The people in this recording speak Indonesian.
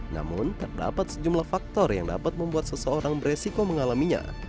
namun terdapat sejumlah faktor yang dapat membuat seseorang beresiko mengalaminya